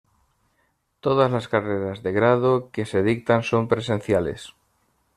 Todas las carreras de grado que se dictan son presenciales.